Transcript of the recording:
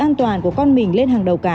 sự an toàn của con mình lên hàng đầu cá